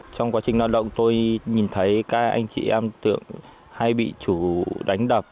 trong quá trình lao động tôi nhìn thấy các anh chị em tượng hay bị chủ đánh đập